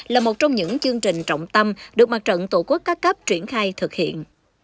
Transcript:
là một trong những chương trình trọng tâm được mặt trận tổ quốc các cấp triển khai thực hiện